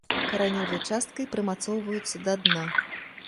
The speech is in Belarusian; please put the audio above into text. Каранёвай часткай прымацоўваюцца да дна.